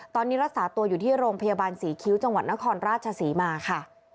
ตอนนี้รักษาตัวอยู่ที่โรงพยาบาลศรีคิ้วจังหวัดนครราชศรีมาค่ะ